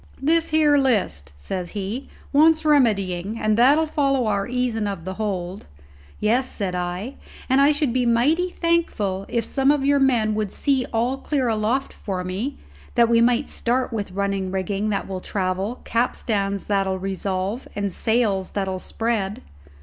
"This here list," says he, "wants remedying and that'll follow our easin' of the hold." "Yes," said I, "and I should be mighty thankful if some of your men would see all clear aloft for me, that we might start with running rigging that will travel, capstans that'll revolve, and sails that'll spread."